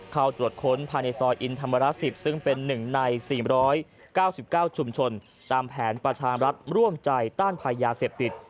เข้าตรวจค้นภายในซอยอินธรรมระ๑๐ซึ่งเป็น๑ใน๔๙๙ชุมชนตามแผนประชามรัฐร่วมใจต้านภัยยาเสพติด